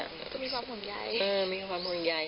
ก็มีความห่วงใหญ่